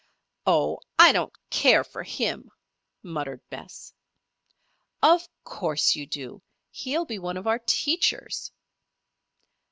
"Oh, I don't care for him," muttered Bess. "Of course you do. He will be one of our teachers."